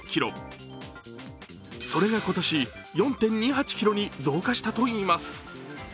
それが今年、４．２８ｋｇに増加したといいます。